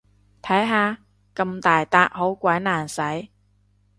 睇下，咁大撻好鬼難洗